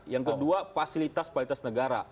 yang kedua fasilitas fasilitas negara